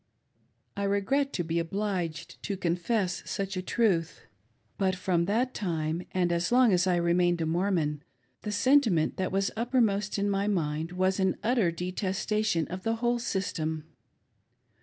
I regret to "be obliged to confess such a truth, but from that time, and as long as I remained in Mor monism, the sentiment that was uppermost in my mind was an utter detestation of the whole System.